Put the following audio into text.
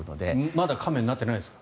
まだ亀になってないですか。